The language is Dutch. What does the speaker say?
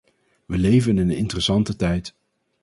We leven in een interessante tijd.